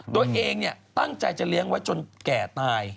ตัวเองตั้งใจจะเลี้ยงไว้จนแก่ตาย